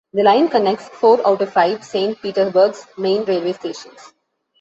The line connects four out of five Saint Petersburg's main railway stations.